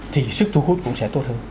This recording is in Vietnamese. thì sức thu hút cũng sẽ tốt hơn